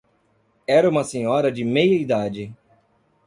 Era uma senhora de meia idade.